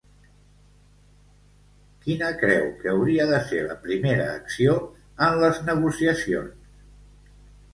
Quina creu que hauria de ser la primera acció en les negociacions?